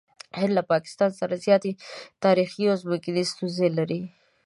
هند له پاکستان سره زیاتې تاریخي او ځمکني ستونزې لري.